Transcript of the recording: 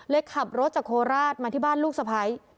เริ่ดขับรถจากโคหราชมาที่บ้านลูกสะไพร